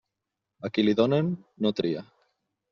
A qui li donen, no tria.